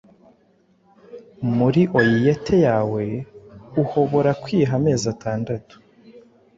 muri oiyete yawe, uhobora kwiha amezi atandatu